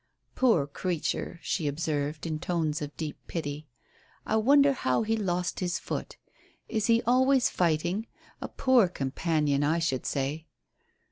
"Poor creature," she observed, in tones of deep pity. "I wonder how he lost his foot. Is he always fighting? A poor companion, I should say."